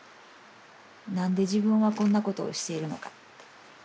何で自分はこんなことをしているのかって。